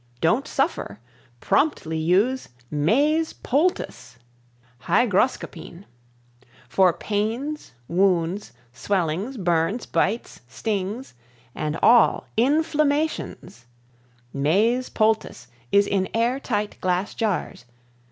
Don't Suffer! Promptly Use MEYS POULTICE (HYGROSCOPINE) For Pains, Wounds, Swellings, Burns, Bites, Stings, and all INFLAMMATIONS Meys Poultice is in air tight glass jars.